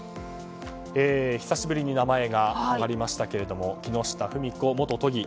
久しぶりに名前が挙がりましたが木下富美子元都議。